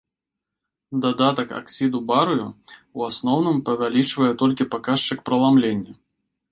Дадатак аксіду барыю ў асноўным павялічвае толькі паказчык праламлення.